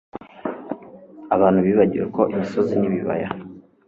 Abantu bibagiwe ko imisozi nibibaya